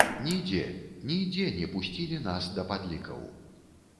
Нідзе, нідзе не пусцілі нас да падлікаў.